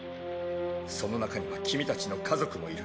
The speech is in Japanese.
その中には君たちの家族もいる。